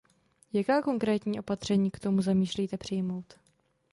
Jaká konkrétní opatření k tomu zamýšlíte přijmout?